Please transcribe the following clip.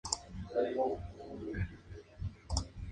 Posee escuelas de nivel primario y secundario.